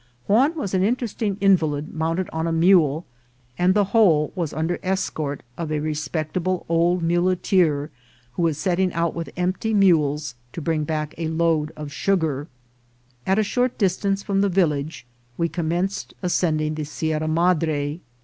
Juan was an interesting invalid mounted on a mule, and the whole was under escort of a respectable old muleteer, who was setting out with empty mules to bring back a load of sugar. At a short distance from the village we commenced ascending the Sierra Madre.